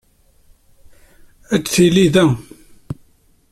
Ad tili da.